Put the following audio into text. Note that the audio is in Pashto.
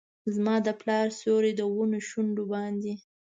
زما د پلار سیوري ، د ونو شونډو باندې